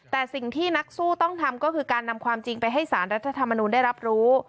แต่สิ่งที่นักสู้ต้องทำก็คือการนำความจริงไปให้สารรัฐธรรมนูลได้รับรู้